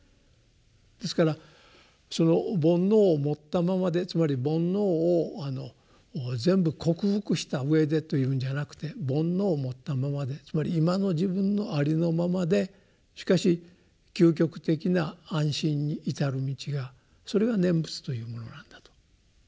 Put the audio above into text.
ですからその煩悩を持ったままでつまり煩悩を全部克服したうえでというんじゃなくて煩悩を持ったままでつまり今の自分のありのままでしかし究極的な安心に至る道がそれが念仏というものなんだと。